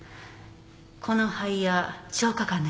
この肺や消化管の様子